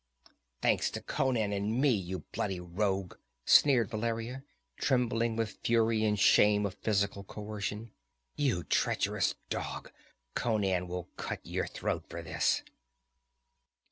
"Thanks to Conan and me, you bloody rogue!" sneered Valeria, trembling with fury and the shame of physical coercion. "You treacherous dog! Conan will cut your throat for this!"